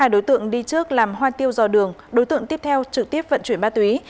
hai đối tượng đi trước làm hoa tiêu dò đường đối tượng tiếp theo trực tiếp vận chuyển ma túy